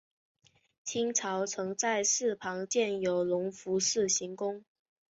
清朝曾在寺旁建有隆福寺行宫。